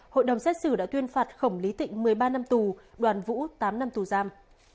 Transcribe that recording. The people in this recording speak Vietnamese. hội đồng xét xử đã tuyên phạt khổng lý tịnh một mươi ba năm tù đoàn vũ tám năm tù giam